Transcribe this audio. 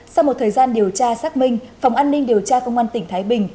sau một thời gian điều tra xác minh phòng an ninh điều tra công an tỉnh thái bình